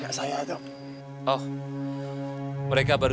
jadi saya mengasesi ibu